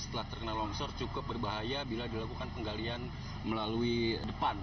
setelah terkena longsor cukup berbahaya bila dilakukan penggalian melalui depan